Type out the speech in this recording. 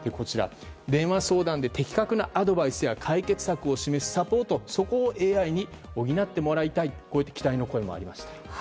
電話相談で的確なアドバイスや解決策を示すサポートをＡＩに補ってもらいたいこういった期待の声もありました。